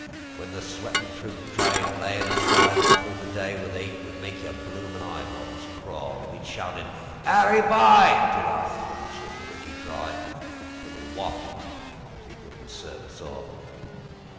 When the sweatin' troop train layIn a sidin' through the day, Where the 'eat would make your bloomin' eyebrows crawl, We shouted "Harry By!"Till our throats were bricky dry, Then we wopped 'im 'cause 'e couldn't serve us all.